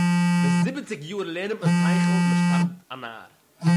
ביז זיבעציק יאָר לערנט מען שׂכל און מען שטאַרבט אַ נאַר.